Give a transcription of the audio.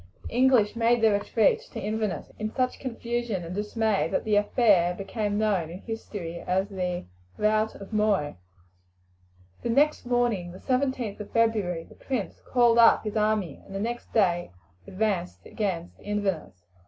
The English made their retreat to Inverness in such confusion and dismay that the affair became known in history as the "rout of Moy." The next morning, the 17th of February, the prince called up his army, and the next day advanced against Inverness.